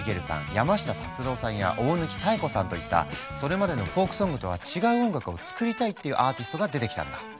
山下達郎さんや大貫妙子さんといったそれまでのフォークソングとは違う音楽を作りたいっていうアーティストが出てきたんだ。